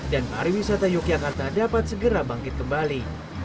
dan pariwisata yogyakarta dapat segera bangkit kembali